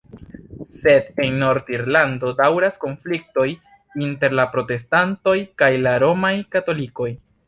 Sed en Nord-Irlando daŭras konfliktoj inter la protestantoj kaj la romaj katolikoj.